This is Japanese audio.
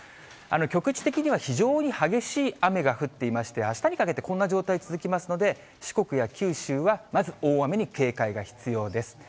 局地的には非常に激しい雨が降っていまして、あしたにかけて、こんな状態、続きますので、四国や九州はまず大雨に警戒が必要です。